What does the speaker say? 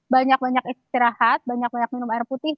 banyak banyak istirahat banyak banyak minum air putih